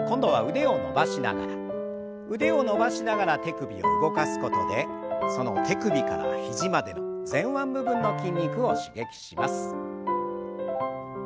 腕を伸ばしながら手首を動かすことでその手首から肘までの前腕部分の筋肉を刺激します。